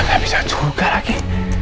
gak bisa juga lagi